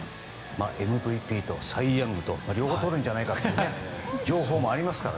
ＭＶＰとサイ・ヤングと両方とるんじゃないかという情報もありますから。